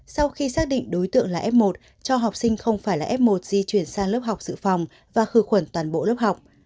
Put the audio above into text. sau khi xác định đối tượng là f một cho học sinh không phải là f một di chuyển sang lớp học dự phòng và khử khuẩn toàn bộ lớp học